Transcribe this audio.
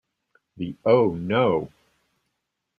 The oh no!